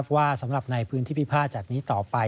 ว่าสำหรับในพื้นที่พิพาทจากนี้ต่อไป